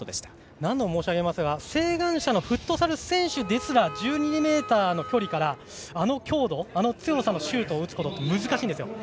何度も申し上げますが晴眼者のフットサル選手ですら１２ｍの距離からあの強度あの強さのシュートを打つことって難しいんです。